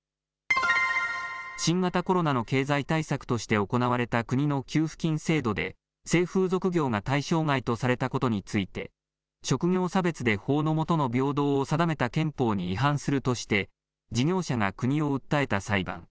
新型コロナの経済対策として行われた、国の給付金制度で性風俗業が対象外とされたことについて職業差別で法の下の平等を定めた憲法に違反するとして事業者が国を訴えた裁判。